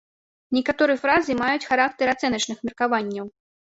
Некаторыя фразы маюць характар ацэначных меркаванняў.